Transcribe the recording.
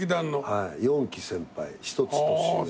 はい４期先輩１つ年上。